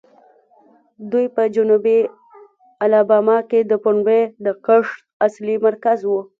دوی په جنوبي الاباما کې د پنبې د کښت اصلي مرکز وو.